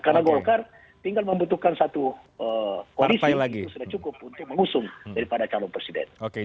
karena golkar tinggal membutuhkan satu kondisi sudah cukup untuk mengusung dari calon presiden